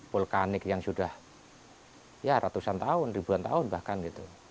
vulkanik yang sudah ya ratusan tahun ribuan tahun bahkan gitu